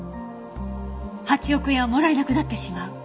８億円はもらえなくなってしまう。